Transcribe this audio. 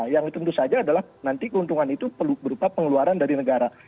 yang tentu saja adalah nanti keuntungan itu berupa pengeluaran dari negara